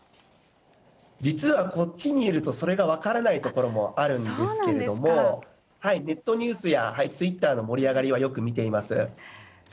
実は、こっちにいるとそれが分からないところもあるんですけれども、ネットニュースやツイッターの盛り上がりはよく見ています。